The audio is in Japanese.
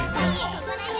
ここだよ！